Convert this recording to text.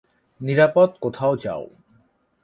নিরাপদ কোথাও যাও।